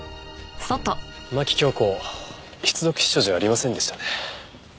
牧京子失読失書じゃありませんでしたね。